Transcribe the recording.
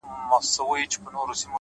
راكيټونو دي پر ما باندي را اوري؛